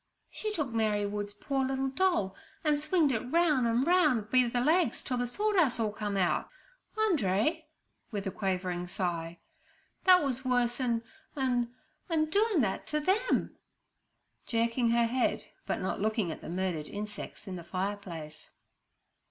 'She took Mary Wood's poor little doll and swinged it roun' an' roun' be the legs till the sawdust all come out. Andree'—with a quavering sigh—'that was worse en—en—en doin' that to them' jerking her head, but not looking at the murdered insects in the fireplace.